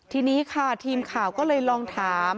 ทีนี้ค่ะทีมข่าวก็เลยลองถาม